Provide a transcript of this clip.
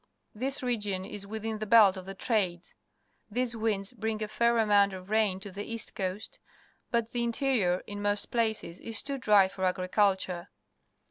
This region is within the belt of the trades. These winds bring a fair amount of rain to the east coast, but the interior in most places is too Kaffirs, South Africa dry for agriculture.